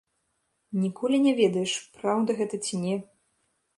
Ніколі не ведаеш, праўда гэта ці не.